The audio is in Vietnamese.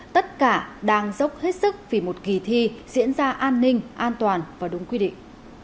tất cả đang dốc hết sức vì một kỳ thi diễn ra an ninh an toàn và đúng quy định